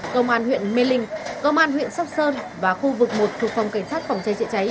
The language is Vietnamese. công an huyện mê linh công an huyện sóc sơn và khu vực một thuộc phòng cảnh sát phòng cháy chữa cháy